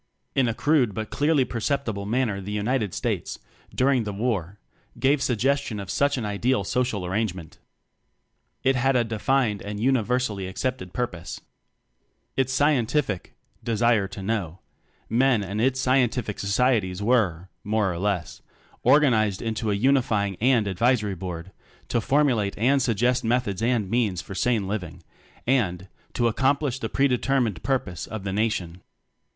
In a crude but clearly perceptible manner the United States, during the War, gave suggestion of such an Ideal Social Arrangement. It had a defined and universally accepted purpose: Its Scientific (Desire to Know) Men and its Scientific Societies were (more or less) organized into a Uni fying and Advisory Board to formu late and suggest methods and means for sane living and to accomplish the predetermined purpose of the Na tion.